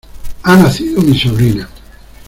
Ha nacido mi sobrina.